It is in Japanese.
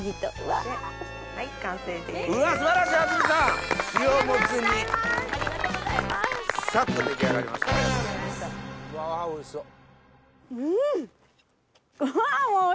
わぁおいしそう。